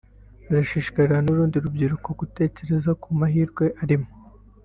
birashishikariza n’urundi rubyiruko gutekereza ku mahirwe arimo